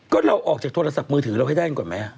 ก็เราออกจากโทรศัพท์มือถือเราให้ได้ก่อนไหม